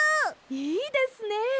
いいですね。